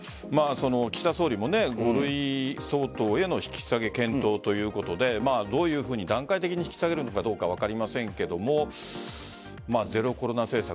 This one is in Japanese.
岸田総理も５類相当への引き下げ検討ということでどういうふうに段階的に引き下げるのかどうかは分かりませんがゼロコロナ政策